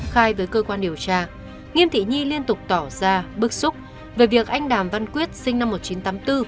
khai với cơ quan điều tra nghiêm thị nhi liên tục tỏ ra bức xúc về việc anh đàm văn quyết sinh năm một nghìn chín trăm tám mươi bốn